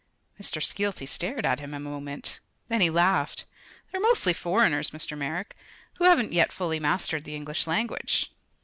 Mr. Skeelty stared at him a moment. Then he laughed. "They're mostly foreigners, Mr. Merrick, who haven't yet fully mastered the English language.